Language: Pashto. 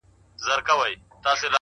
هره تجربه د حکمت ټوټه ده’